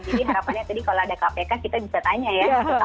jadi harapannya tadi kalau ada kpk kita bisa tanya ya